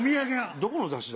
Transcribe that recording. どこの雑誌だ？